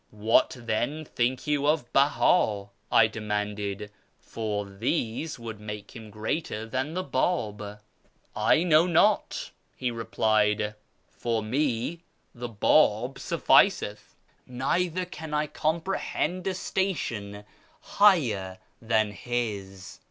" What, then, think you of Beh;i ?" I demanded, " for these would make him greater than the Bi'ib." " I know not," he replied ;" for me the Bab sufficeth, neither can I comprehend a station higher than His."